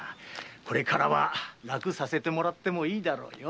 これからは楽させてもらってもいいだろうよ。